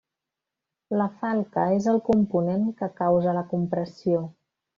La falca és el component que causa la compressió.